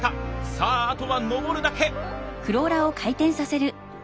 さああとは上るだけ！